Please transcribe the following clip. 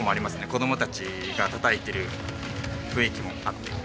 子供たちがたたいてる雰囲気もあって。